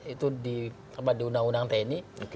itu di undang undang tni